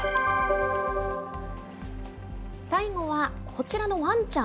最後はこちらのワンちゃん。